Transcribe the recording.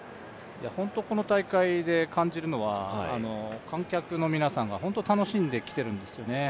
この大会で感じるのは観客の皆さんが本当に楽しんで来ているんですよね。